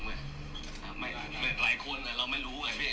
ไม่ภรรยาคนเราไม่รู้แต่ก็ไม่รู้ว่าเออฮะปืนือไหนล่ะเนี่ย